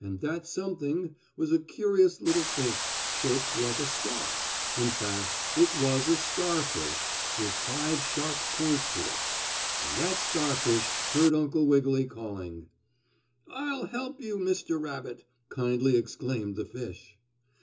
And that something was a curious little fish, shaped like a star. In fact, it was a starfish with five sharp points to it. And that starfish heard Uncle Wiggily calling. "I'll help you, Mr. Rabbit!" kindly exclaimed the fish.